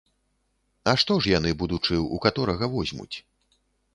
А што ж яны, будучы, у каторага возьмуць?